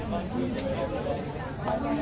โอเควันนี้มามาจากไหนกันคะ